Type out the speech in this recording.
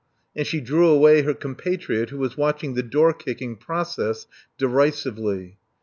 And she drew away her compatriot, who was watching the door kicking process derisively.